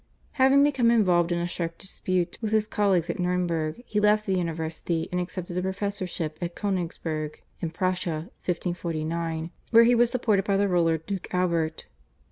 Having become involved in a sharp dispute with his colleagues at Nurnberg he left the university, and accepted a professorship at Konigsberg in Prussia (1549), where he was supported by the ruler Duke Albert.